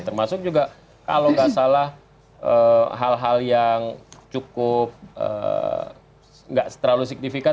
termasuk juga kalau nggak salah hal hal yang cukup nggak terlalu signifikan